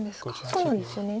そうなんですよね。